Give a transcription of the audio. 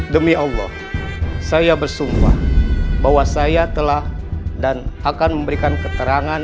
demi allah saya bersumpah bahwa saya telah dan akan memberikan keterangan